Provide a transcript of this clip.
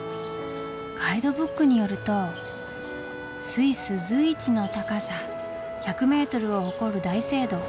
ガイドブックによると「スイス随一の高さ１００ｍを誇る大聖堂。